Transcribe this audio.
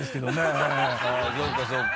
そうかそうか。